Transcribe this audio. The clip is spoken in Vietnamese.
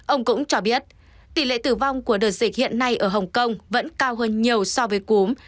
ông cũng cho biết tỷ lệ tử vong của đợt dịch hiện nay ở hồng kông vẫn cao hơn nhiều so với cúm